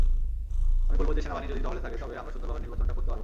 আমি বলব সেনাবাহিনী যদি টহলে থাকে তবে আমরা সুন্দরভাবে নির্বাচনটা করতে পারব।